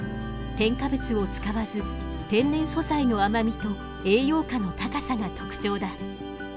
添加物を使わず天然素材の甘みと栄養価の高さが特徴だ。